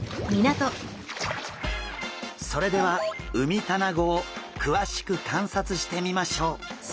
それではウミタナゴを詳しく観察してみましょう。